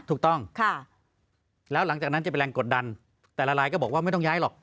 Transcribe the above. ถูกต้องค่ะแล้วหลังจากนั้นจะเป็นแรงกดดันแต่ละลายก็บอกว่าไม่ต้องย้ายหรอก